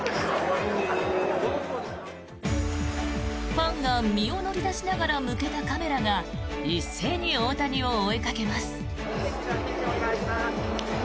ファンが身を乗り出しながら向けたカメラが一斉に大谷を追いかけます。